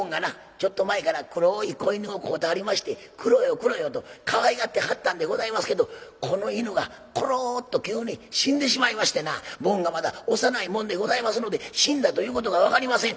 ちょっと前から黒い子犬を飼うてはりまして『クロよクロよ』とかわいがってはったんでございますけどこの犬がコロッと急に死んでしまいましてな坊がまだ幼いもんでございますので死んだということが分かりません。